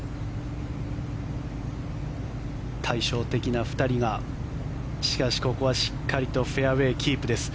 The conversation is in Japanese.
対照的な２人がしかしここはしっかりとフェアウェーキープです。